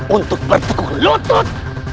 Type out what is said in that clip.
untuk bertukuk lutut